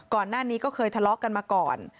ก่อนหน้านี้ก็เคยทะเลาะกันมาก่อน